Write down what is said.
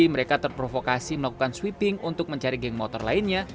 mereka terprovokasi melakukan sweeping untuk mencari geng motor lainnya